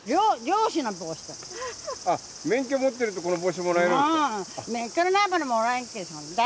あっ免許持ってるとこの帽子もらえるんですか。